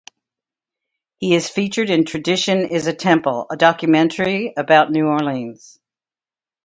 He is featured in "Tradition Is a Temple", a documentary about New Orleans.